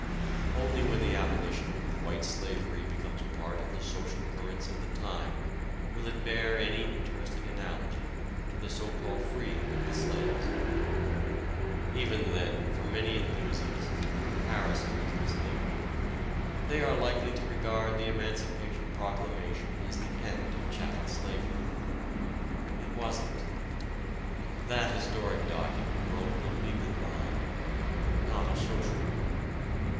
Only when the abolition of "white slavery" becomes part of the social currents of the time will it bear any interesting analogy to the so called freeing of the slaves. Even then for many enthusiasts the comparison is misleading. They are likely to regard the Emancipation Proclamation as the end of chattel slavery. It wasn't. That historic document broke a legal bond but not a social one.